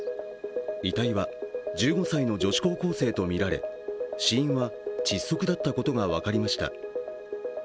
遺体は１５歳の女子高校生とみられ死因は窒息だったことが分かりました。